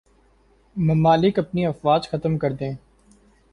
ممالک اپنی افواج ختم کر دیں